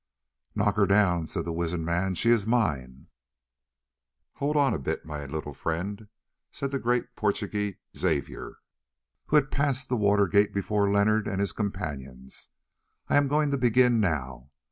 "Knock her down," said the wizened man, "she is mine." "Hold on a bit, my little friend," said the great Portugee, Xavier, who had passed the water gate before Leonard and his companions. "I am going to begin now.